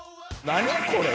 「何これ？